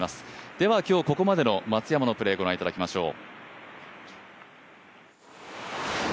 では今日ここまでの松山のプレーご覧いただきましょう。